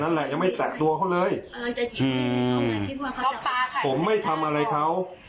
แค่นั้นแหละยังไม่แตกตัวเขาเลยอืมพ่อใบไม่ทำอะไรเขา